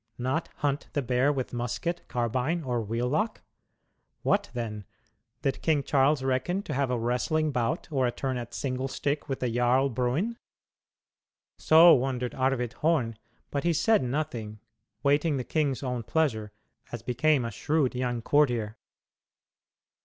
Not hunt the bear with musket, carbine, or wheel lock? What then did King Charles reckon to have a wrestling bout or a turn at "single stick" with the Jarl Bruin? So wondered Arvid Horn, but he said nothing, waiting the king's own pleasure, as became a shrewd young courtier.